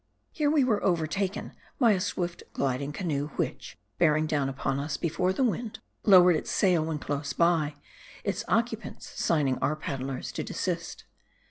Here we were overtaken by a swift gliding canoe, which, bearing down upon us before the wind, lowered its sail when close by : its occupants signing our paddlers to desist.